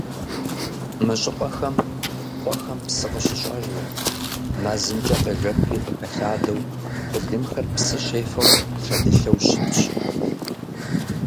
Мы щӀыпӀэхэм, къуэхэм псы къыщыщӀэжу, мэзымкӀэ къежэхри къыхэлъадэу, былымхэр псы щефэу шэдылъэу щытщ.